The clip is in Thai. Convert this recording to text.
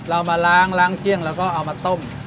เรามาล้างล้างเที่ยงแล้วก็เอามาต้ม